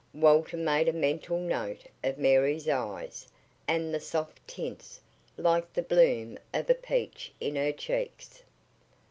Walter made a mental note of Mary's eyes, and the soft tints, like the bloom of a peach, in her cheeks.